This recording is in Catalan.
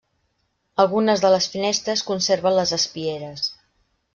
Algunes de les finestres conserven les espieres.